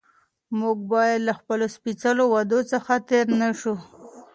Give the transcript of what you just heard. موږ باید له خپلو سپېڅلو وعدو څخه تېر نه شو